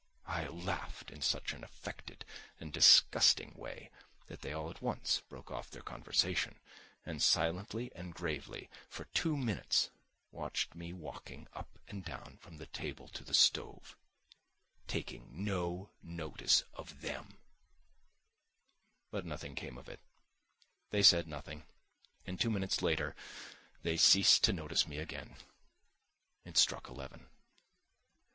I laughed in such an affected and disgusting way that they all at once broke off their conversation, and silently and gravely for two minutes watched me walking up and down from the table to the stove, taking no notice of them. But nothing came of it: they said nothing, and two minutes later they ceased to notice me again. It struck eleven.